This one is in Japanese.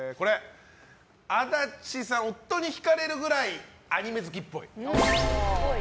足立さん、夫に引かれるぐらいアニメ好きっぽい。